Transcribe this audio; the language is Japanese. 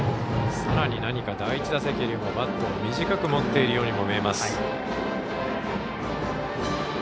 さらに何か第１打席よりもバットを短く持っているようにも見えます。